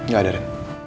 gak ada re